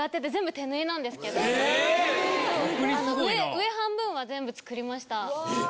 上半分は全部作りました。